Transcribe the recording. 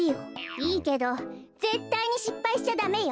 いいけどぜったいにしっぱいしちゃダメよ。